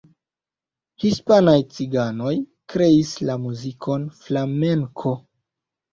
Hispanaj ciganoj kreis la muzikon flamenko.